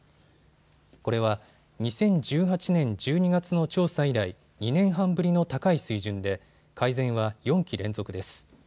これは２０１８年１２月の調査以来２年半ぶりの高い水準で改善は４期連続です。